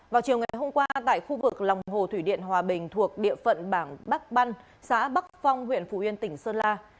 vào chiều ngày hôm qua tại khu vực lòng hồ thủy điện hòa bình thuộc địa phận bản bắc băn xã bắc phong huyện phủ yên tỉnh sơn la